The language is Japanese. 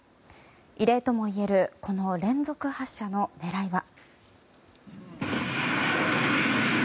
異例ともいえるこの連続発射の狙いは。